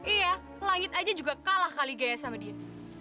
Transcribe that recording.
iya langit aja juga kalah kali gaya sama dia